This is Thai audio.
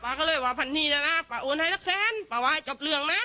ป่าก็เลยว่าฟันนี่เดิน้านะป่าอ้งให้โรธรรมป่าว่าให้กับเรื่องนะ